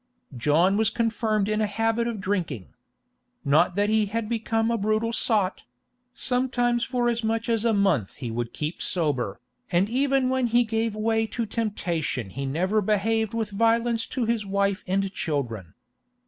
John was confirmed in a habit of drinking. Not that he had become a brutal sot; sometimes for as much as a month he would keep sober, and even when he gave way to temptation he never behaved with violence to his wife and children.